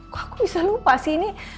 kok aku bisa lupa sih ini